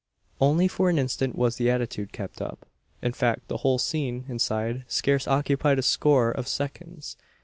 Only for an instant was the attitude kept up. In fact, the whole scene, inside, scarce occupied a score of seconds.